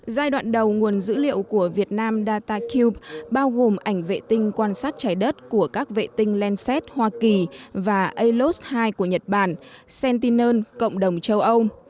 giai đoạn đầu nguồn dữ liệu của việt nam datacube bao gồm ảnh vệ tinh quan sát trái đất của các vệ tinh landsat hoa kỳ và alos hai của nhật bản sentinel cộng đồng châu âu